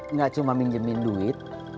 nggak cuma minjemin duit